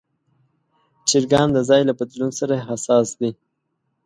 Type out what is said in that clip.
چرګان د ځای له بدلون سره حساس دي.